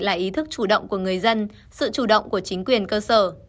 là ý thức chủ động của người dân sự chủ động của chính quyền cơ sở